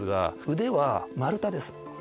腕は丸太です。